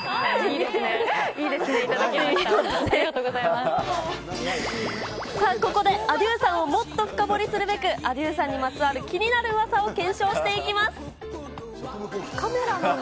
いいですね頂きました、さあ、ここでａｄｉｅｕさんをもっと深掘りするべく、ａｄｉｅｕさんにまつわる気になるうわさを検証していきます。